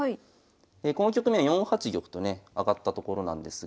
この局面４八玉とね上がったところなんですが。